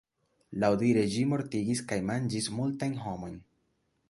Laŭdire ĝi mortigis kaj manĝis multajn homojn.